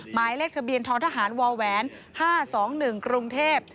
หมายเลขทะเบียนท้อทหารว๕๒๑กรุงเทพ